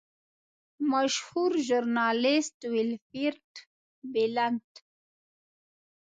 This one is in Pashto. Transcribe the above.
مشهور ژورنالیسټ ویلفریډ بلنټ.